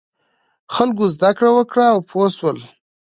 خلکو زده کړه وکړه او پوه شول.